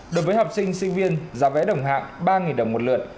đối với học sinh sinh viên giá vé đồng hạng ba đồng một lượt